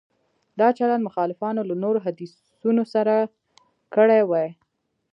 دا چلند مخالفانو له نورو حدیثونو سره کړی وای.